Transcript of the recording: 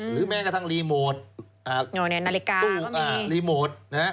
หรือแม่งกระทั่งรีโมท